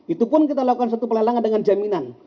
itu pun kita lakukan satu pelelangan dengan jaminan